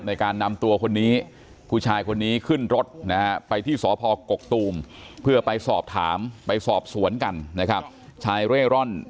ให้การนำตัวพู้ชายคนนี้ขึ้นรถไปที่ส่อพกกตูมเพื่อไปสอบถามไปสอบสวนกัน